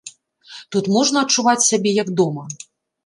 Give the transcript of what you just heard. Тут можна адчуваць сябе як дома.